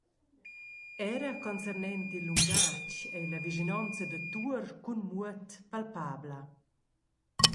Era concernent il lungatg ei la vischinonza da Tuor cun Muoth palpabla.